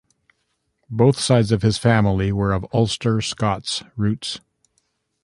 Both sides of his family were of Ulster Scots roots.